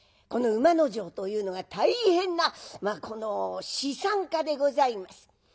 この馬之丞というのが大変な資産家でございます。